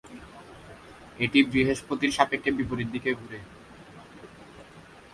এটি বৃহস্পতির সাপেক্ষে বিপরীত দিকে ঘুরে।